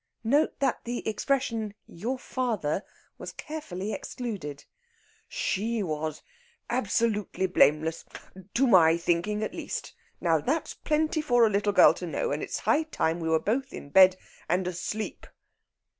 Note that the expression "your father" was carefully excluded. "She was absolutely blameless to my thinking, at least. Now that's plenty for a little girl to know. And it's high time we were both in bed and asleep."